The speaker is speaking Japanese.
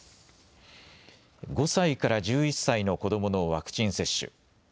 ５歳から１１歳の子どものワクチン接種。